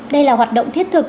đây là hoạt động thiết thực